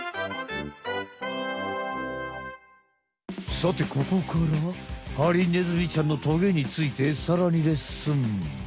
さてここからはハリネズミちゃんのトゲについてさらにレッスン！